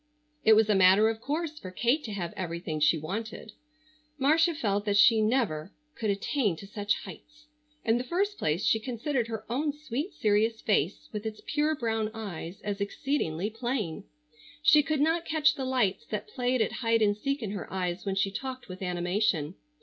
It was a matter of course for Kate to have everything she wanted. Marcia felt that she never could attain to such heights. In the first place she considered her own sweet serious face with its pure brown eyes as exceedingly plain. She could not catch the lights that played at hide and seek in her eyes when she talked with animation.